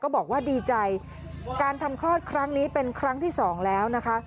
บอกว่าดีใจการทำคลอดครั้งนี้เป็นครั้งที่สองแล้วนะคะ